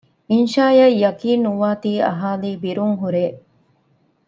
އިންޝާއަށް ޔަޤީންނުވާތީ އަހާލީ ބިރުން ހުރޭ